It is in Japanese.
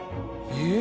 えっ！？